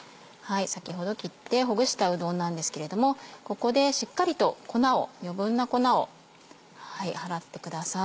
先ほど切ってほぐしたうどんなんですけれどもここでしっかりと余分な粉を払ってください。